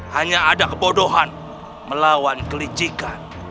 hanya ada kebodohan melawan kelicikan